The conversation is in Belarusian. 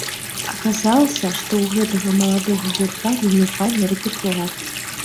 Аказалася, што ў гэтага маладога гурта вельмі файны рэпертуар.